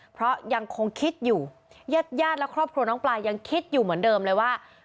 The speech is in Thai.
เพราะยังคงคิดอยู่ญาติญาติและครอบครัวน้องปลายังคิดอยู่เหมือนเดิมเลยว่า